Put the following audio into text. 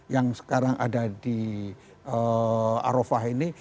yang sekarang ada di arofah ini